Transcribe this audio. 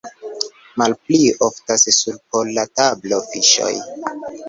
Malpli oftas sur pola tablo fiŝoj.